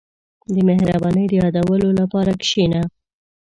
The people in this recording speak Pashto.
• د مهربانۍ د یادولو لپاره کښېنه.